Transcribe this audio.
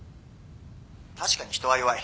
確かに人は弱い。